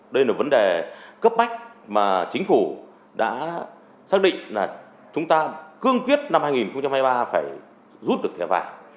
đây là vấn đề cấp bách mà chính phủ đã xác định là chúng ta cương quyết năm hai nghìn hai mươi ba phải rút được thẻ vàng